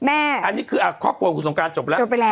อันนี้คือครอบครัวคุณสงการจบแล้ว